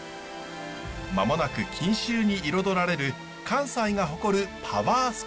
間もなく錦秋に彩られる関西が誇るパワースポットです。